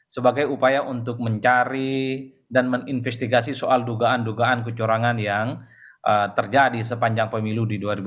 sebagai upaya untuk mencari dan meninvestigasi soal dugaan dugaan kecorangan yang terjadi sepanjang pemilu